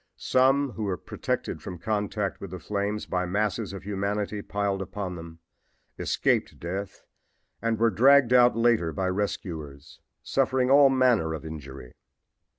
Some who were protected from contact with the flames by masses of humanity piled upon them escaped death and were dragged out later by rescuers, suffering all manner of injury.